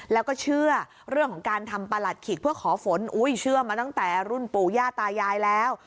แล้วก็เชื่อเรื่องของการทำประหลัดขีกเพื่อขอฝนอุ้ยเชื่อมาตั้งแต่รุ่นปู่ย่าตายายแล้ว